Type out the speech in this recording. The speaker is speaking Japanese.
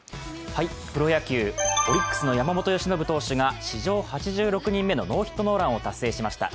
プロ野球、オリックスの山本由伸投手が史上８６人目のノーヒットノーランを達成しました。